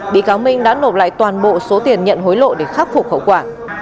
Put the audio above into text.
bị cáo minh đã nộp lại toàn bộ số tiền nhận hối lộ để khắc phục khẩu quả